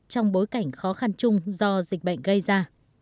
trong bối cảnh khó khăn chung do dịch bệnh gây ra